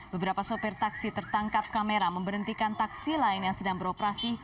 beberapa sopir taksi tertangkap kamera memberhentikan taksi lain yang sedang beroperasi